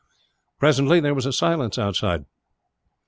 Presently, there was a silence outside.